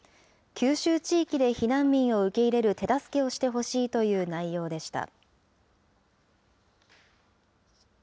九州地域で避難民を受け入れる手助けをしてほしいという内容でした。